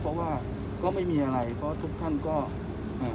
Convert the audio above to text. เพราะว่าก็ไม่มีอะไรเพราะทุกท่านก็เอ่อ